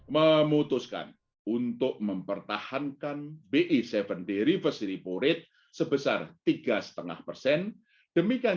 dua ribu dua puluh dua memutuskan untuk mempertahankan bi tujuh d reverse report sebesar tiga setengah persen demikian